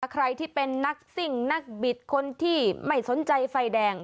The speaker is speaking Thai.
ใครที่เป็นนักซิ่งนักบิดคนที่ไม่สนใจไฟแดง